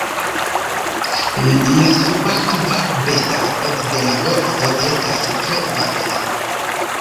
La subakva bestaro de la golfo estas tre varia.